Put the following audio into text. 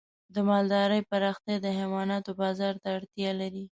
د مالدارۍ پراختیا د حیواناتو بازار ته اړتیا لري.